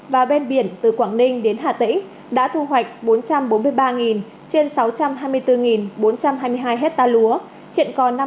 và ven biển từ quảng ninh đến hà tĩnh đã thu hoạch bốn trăm bốn mươi ba trên sáu trăm hai mươi bốn bốn trăm hai mươi hai hectare lúa